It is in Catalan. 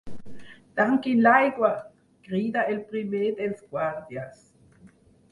Tanquin l'aigua! —crida el primer dels guàrdies.